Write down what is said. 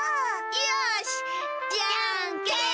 よしじゃんけん。